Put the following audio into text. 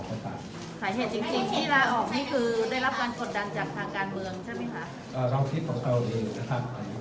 เมืองใช่ไหมคะอ่าเราคิดต่อคาลเดียวนะครับอันนี้ก็